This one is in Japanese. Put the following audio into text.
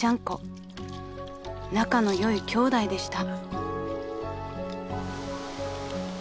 ［仲の良いきょうだいでした］